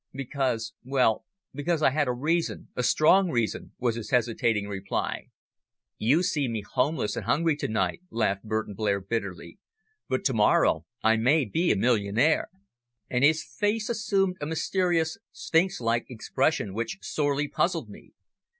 "Because well, because I had a reason a strong reason," was his hesitating reply. "You see me homeless and hungry to night," laughed Burton Blair, bitterly, "but to morrow I may be a millionaire!" And his face assumed a mysterious, sphinx like expression which sorely puzzled me.